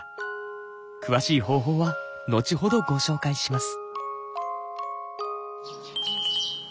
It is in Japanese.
詳しい方法は後ほどご紹介します。